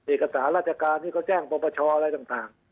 เอกสารราชการนี้ก็แจ้งประชาอะไรต่าง